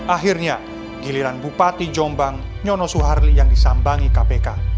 akhirnya giliran bupati jombang nyono suharli yang disambangi kpk